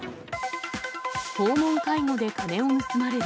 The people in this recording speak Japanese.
訪問介護で金を盗まれる。